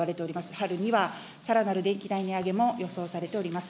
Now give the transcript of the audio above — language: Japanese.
春には、さらなる電気代値上げも予想されております。